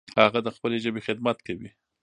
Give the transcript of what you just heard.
هغه د خپلې ژبې خدمت کوي.